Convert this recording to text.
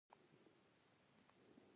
زه د بدو عادتو مخنیوی کوم.